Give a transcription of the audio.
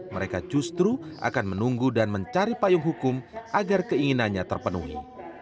mereka justru akan menunggu dan mencari payung hukum agar keinginannya terpenuhi